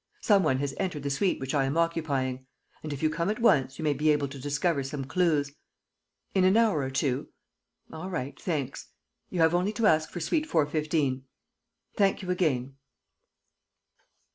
... Some one has entered the suite which I am occupying. And, if you come at once, you may be able to discover some clues. ... In an hour or two? All right; thanks. ... You have only to ask for suite 415. ... Thank you again."